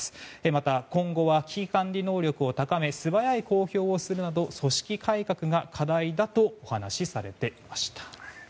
また、今後は危機管理能力を高め素早い公表をするなど組織改革が課題だとお話しされていました。